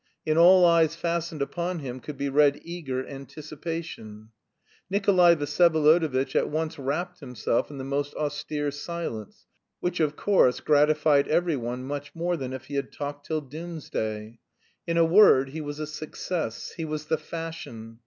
In all eyes fastened upon him could be read eager anticipation. Nikolay Vsyevolodovitch at once wrapped himself in the most austere silence, which, of course, gratified every one much more than if he had talked till doomsday. In a word, he was a success, he was the fashion.